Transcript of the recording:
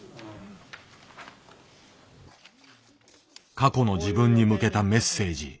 過去の自分に向けたメッセージ。